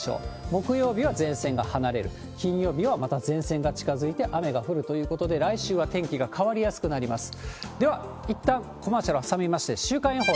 木曜日は前線が離れる、金曜日はまた前線が近づいて雨が降るということで、来週は天気が変わりやすくなります。